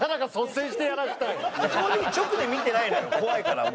正直直で見てないのよ怖いからもう。